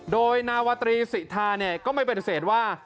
โดยนาวตรีสิทาก็ไม่ปฏิเสธว่า